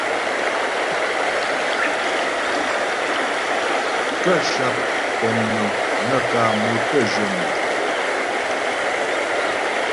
Kə́ sháp pɔmnəŋ nə kǎ mo tə́ jyə mo á.